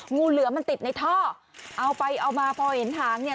งูเหลือมันติดในท่อเอาไปเอามาพอเห็นถางเนี่ย